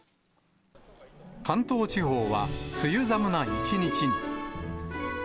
関東地方は梅雨寒な一日に。